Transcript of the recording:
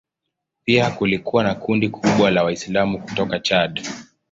Pia kulikuwa na kundi kubwa la Waislamu kutoka Chad.